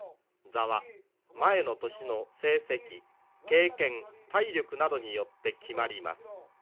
座は前の年の成績経験体力などによって決まります。